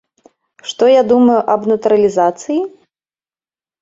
Што я думаю аб натуралізацыі?